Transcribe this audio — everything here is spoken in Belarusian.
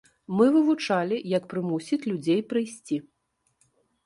Мы вывучалі, як прымусіць людзей прыйсці.